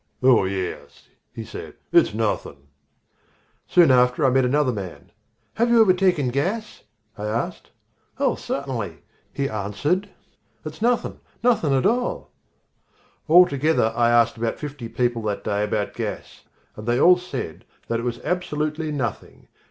"Oh, yes," he said; "it's nothing." Soon after I met another man. "Have you ever taken gas?" I asked. "Oh, certainly," he answered, "it's nothing, nothing at all." Altogether I asked about fifty people that day about gas, and they all said that it was absolutely nothing.